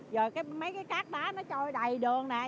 rồi mấy cái cát đá nó trôi đầy đường nè